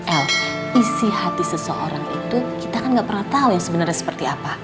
el isi hati seseorang itu kita kan gak pernah tahu yang sebenarnya seperti apa